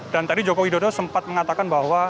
dan tadi joko widodo sempat mengatakan bahwa